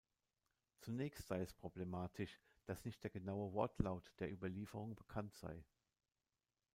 Zunächst sei es problematisch, dass nicht der genaue Wortlaut der Überlieferung bekannt sei.